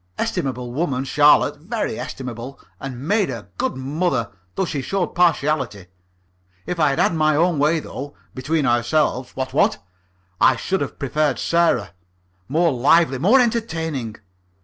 Estimable woman, Charlotte, very estimable, and made a good mother, though she showed partiality. If I'd had my own way though between ourselves, what, what? I should have preferred Sarah. More lively, more entertaining.